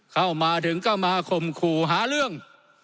เข้ามาถึงก็มาข่มขู่หาเรื่อง